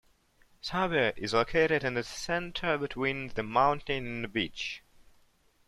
Sabya is located in the center between the mountain and the beach.